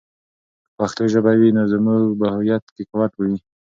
که پښتو ژبه وي، نو زموږ په هویت کې قوت به وي.